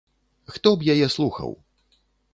Хто б яе слухаў?